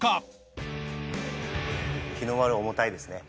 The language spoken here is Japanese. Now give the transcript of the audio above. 日の丸は重たいですね。